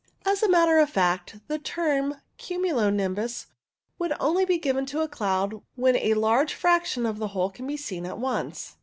As a matter of fact, the term cumulo nimbus would only be given to the cloud when a large fraction of the whole can be seen at once.